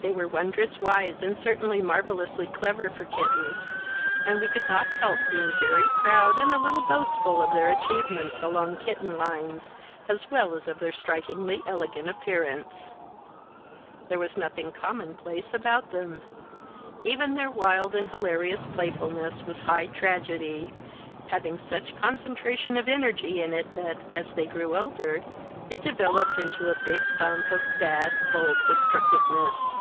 They were wondrous wise and certainly marvellously clever for kittens, and we could not help being very proud and a little boastful of their achievements along kitten lines, as well as of their strikingly elegant appearance. There was nothing commonplace about them. Even their wild and hilarious playfulness was high tragedy, having such concentration of energy in it that, as they grew older, it developed into a big bump of bad, bold destructiveness.